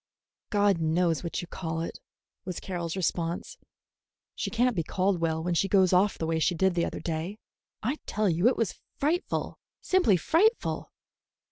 "God knows what you call it," was Carroll's response. "She can't be called well when she goes off the way she did the other day. I tell you it was frightful, simply frightful!"